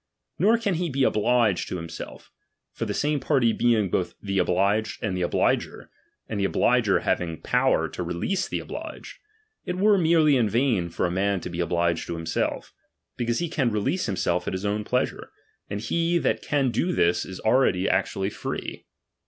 Nor can he be obliged to " himself; for the same party being both the obliged and the obUger, and the obliger having power to release the obliged, it were merely in vain for a man to be obliged to himself ; because he can re lease himself at his own pleasure, and he that can do this is already actually free.